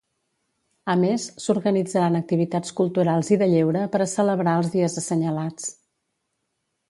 A més, s'organitzaran activitats culturals i de lleure per a celebrar els dies assenyalats.